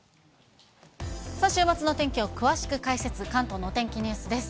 週末の天気を詳しく解説、関東のお天気ニュースです。